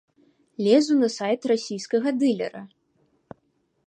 Лезу на сайт расійскага дылера.